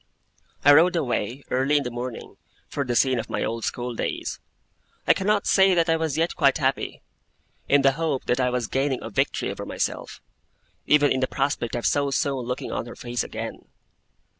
I rode away, early in the morning, for the scene of my old school days. I cannot say that I was yet quite happy, in the hope that I was gaining a victory over myself; even in the prospect of so soon looking on her face again.